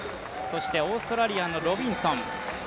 オーストラリアのロビンソン。